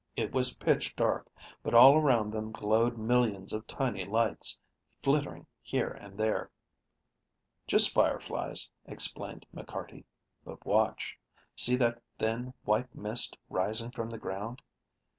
It was pitch dark, but all around them glowed millions of tiny lights, flittering here and there. "Just fireflies," explained McCarty. "But watch. See that thin white mist rising from the ground?"